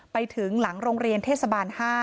ไปถึงหลังโรงเรียนเทศบาล๕